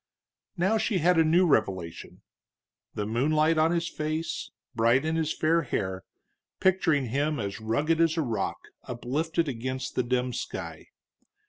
Now she had a new revelation, the moonlight on his face, bright in his fair hair, picturing him as rugged as a rock uplifted against the dim sky.